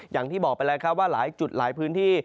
อย่างที่บอกไปแล้วครับว่าหลายจุดหลายพื้นที่